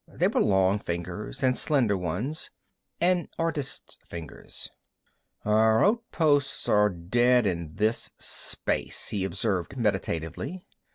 They were long fingers, and slender ones: an artist's fingers. "Our outposts are dead in this space," he observed meditatively.